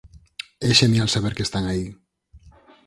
É xenial saber que están aí.